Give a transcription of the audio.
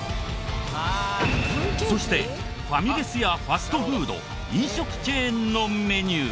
そしてファミレスやファストフード飲食チェーンのメニュー。